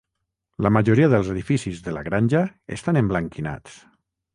La majoria dels edificis de la granja estan emblanquinats.